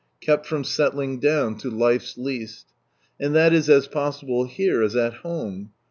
Kept from settling down to life's least. And that is as possible here as at home.